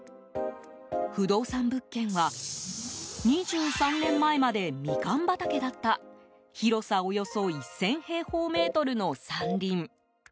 負動産物件は２３年前までミカン畑だった広さ、およそ１０００平方メートルの山林。